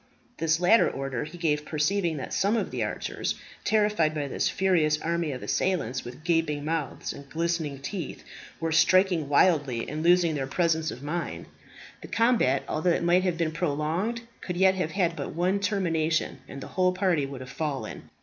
This latter order he gave perceiving that some of the archers, terrified by this furious army of assailants with gaping mouths and glistening teeth, were striking wildly, and losing their presence of mind. The combat, although it might have been prolonged, could yet have had but one termination, and the whole party would have fallen.